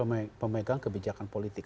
dari masing masing pemegang kebijakan politik